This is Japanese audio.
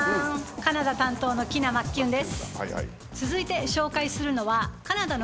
カナダ担当のキナ・マッキューンです。